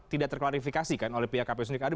tidak terklarifikasi kan oleh pihak kpu sendiri